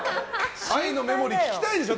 「愛のメモリー」聴きたいでしょ